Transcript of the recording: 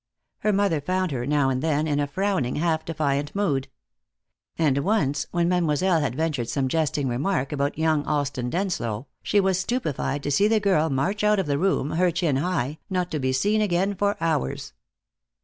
Her mother found her, now and then, in a frowning, half defiant mood. And once, when Mademoiselle had ventured some jesting remark about young Alston Denslow, she was stupefied to see the girl march out of the room, her chin high, not to be seen again for hours.